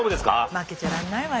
負けちゃらんないわよ！